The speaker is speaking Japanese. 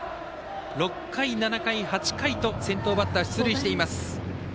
６回、７回、８回と先頭バッター出塁しています。